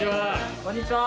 こんにちは。